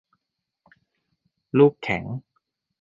ลูกแข็ง